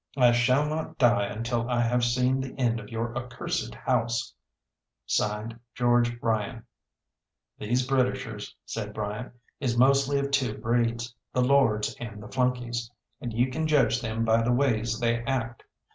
I shall not die until I have seen the end of your accursed house. "'(Sd.) GEORGE RYAN.' "These Britishers," said Bryant, "is mostly of two breeds the lords and the flunkeys; and you kin judge them by the ways they act.